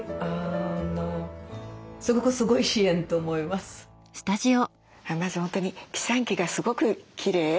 まず本当にピサンキがすごくきれい。